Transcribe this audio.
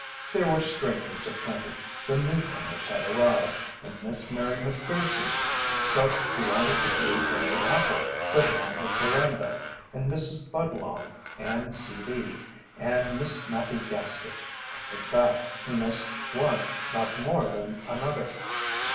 There were strangers aplenty, the "newcomers" had arrived, and Miss Mary Macpherson, but he wanted to see Henry Appel sitting on his veranda, and Mrs. Budlong and "C. D.," and Miss Mattie Gaskett in fact, he missed one not more than another.